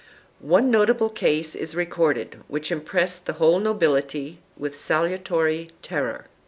2 One nota ' ble case is recorded which impressed the whole nobility with salutary terror.